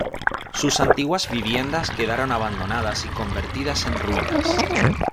Sus antiguas viviendas quedaron abandonadas y convertidas en ruinas.